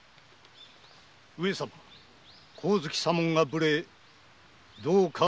上様香月左門が無礼どうかお許しを。